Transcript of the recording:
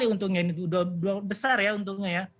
untungnya ini sudah besar ya untungnya ya